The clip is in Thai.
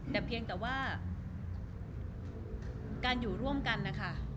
แต่เพียงแต่ว่าการอยู่ร่วมกันนะคะ